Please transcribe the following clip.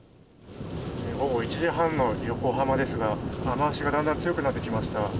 午後１時半の横浜ですが、雨足がだんだん強くなってきました。